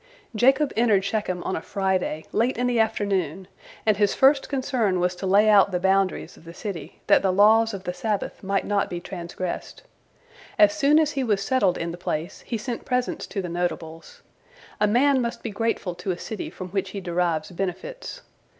Jacob entered Shechem on a Friday, late in the afternoon, and his first concern was to lay out the boundaries of the city, that the laws of the Sabbath might not be transgressed. As soon as he was settled in the place, he sent presents to the notables. A man must be grateful to a city from which he derives benefits.